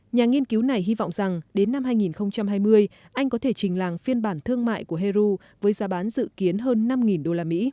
nhà nghiên cứu này hy vọng rằng đến năm hai nghìn hai mươi anh có thể trình làng phiên bản thương mại của heru với giá bán dự kiến hơn năm usd